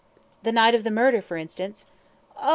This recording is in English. "The night of the murder, for instance." "Oh!